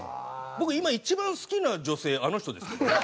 僕今一番好きな女性あの人ですからね。